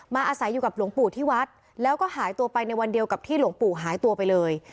อาศัยอยู่กับหลวงปู่ที่วัดแล้วก็หายตัวไปในวันเดียวกับที่หลวงปู่หายตัวไปเลย